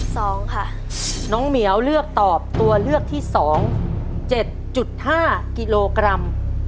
สองค่ะน้องเหมียวเลือกตอบตัวเลือกที่สองเจ็ดจุดห้ากิโลกรัม